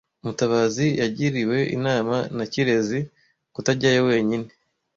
Mutabazi yagiriwe inama na Kirezi kutajyayo wenyine.